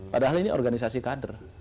padahal ini organisasi kader